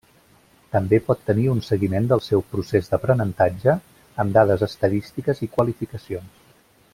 També pot tenir un seguiment del seu procés d’aprenentatge amb dades estadístiques i qualificacions.